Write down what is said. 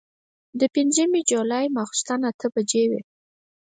د پنځمې جولايې ماسخوتن اتۀ بجې وې